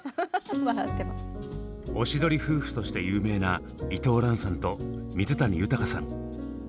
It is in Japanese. おしどり夫婦として有名な伊藤蘭さんと水谷豊さん。